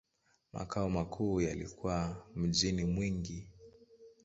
Makao makuu yalikuwa mjini Mwingi.